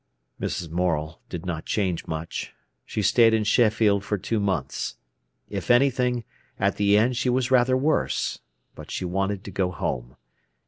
Mrs. Morel did not change much. She stayed in Sheffield for two months. If anything, at the end she was rather worse. But she wanted to go home.